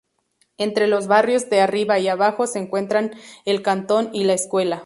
Entre los barrios de Arriba y Abajo se encuentran el Cantón y la escuela.